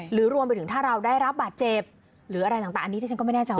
หรือรวมไปถึงถ้าเราได้รับบาดเจ็บหรืออะไรต่างอันนี้ที่ฉันก็ไม่แน่ใจว่า